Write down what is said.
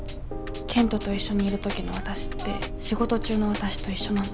賢人と一緒にいる時のわたしって仕事中のわたしと一緒なの。